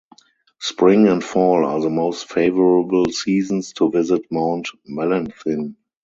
Spring and fall are the most favorable seasons to visit Mount Mellenthin.